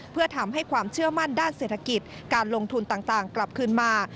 เพื่อทำให้ความเชื่อมั่นด้านเศรษฐกิจการลงทุนต่างกลับคืนมา